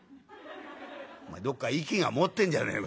「お前どっか息が漏ってんじゃねえか」。